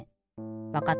わかった。